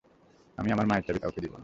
আমি আমার মায়ের চাবি কাউকে দিবো না!